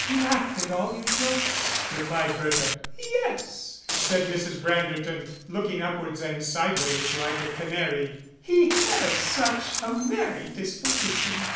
"He laughed at all your jokes," replied Bertha. "Yes," said Mrs. Branderton, looking upwards and sideways like a canary, "he has such a merry disposition.